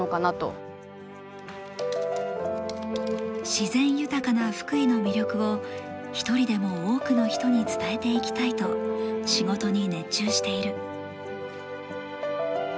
自然豊かな福井の魅力を一人でも多くの人に伝えていきたいと仕事に熱中している。